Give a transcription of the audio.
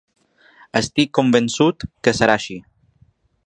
Estic convençut que serà així.